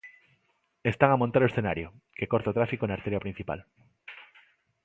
Están a montar o escenario, que corta o tráfico na arteria principal.